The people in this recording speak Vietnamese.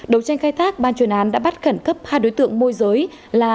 đấu tranh khai thác ban chuyên án đã bắt khẩn cấp hai đối tượng môi giới là